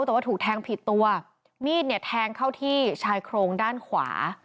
แต่ว่าถูกแทงผิดตัวมีดเนี่ยแทงเข้าที่ชายโครงด้านขวา